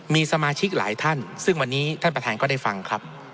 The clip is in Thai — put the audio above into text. มีสมาชิกหลายท่านซึ่งวันนี้ท่านประธานก็ได้ฟังครับ